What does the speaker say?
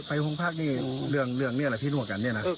ไปพรุ่งภาคเนี่ยเรื่องนี่หลังเพียงเป็นเรื่องนี้แลน่ะ